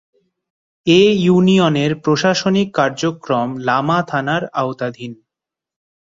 এ ইউনিয়নের প্রশাসনিক কার্যক্রম লামা থানার আওতাধীন।